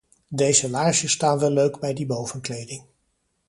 Deze laarsjes staan wel leuk bij die bovenkleding.